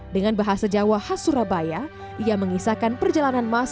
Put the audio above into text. dengan bahasa jawa khas surabaya ia mengisahkan perjalanan mahasiswa